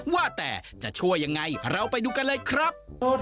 ว่าแต่จะช่วยยังไงเราไปดูกันเลยครับ